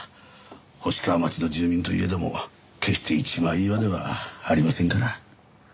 星川町の住民といえども決して一枚岩ではありませんから。